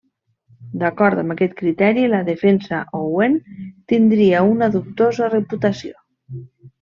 D'acord amb aquest criteri, la defensa Owen tindria una dubtosa reputació.